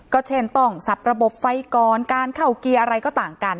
ก็เช่นต้องสับระบบไฟก่อนการเข้าเกียร์อะไรก็ต่างกัน